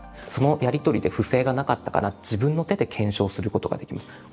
そのやり取りで不正がなかったかな自分の手で検証することができます。